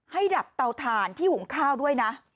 ดับเตาถ่านที่หุงข้าวด้วยนะ